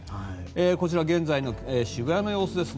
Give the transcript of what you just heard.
こちら現在の渋谷の様子ですね。